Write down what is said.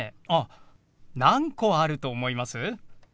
あっ何個あると思います？